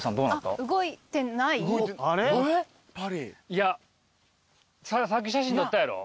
いやさっき写真撮ったやろ？